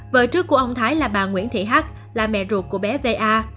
vợ trước của ông thái là bà nguyễn thị h là mẹ ruột của bé va